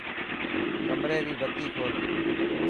ڪمري ري بتي کول.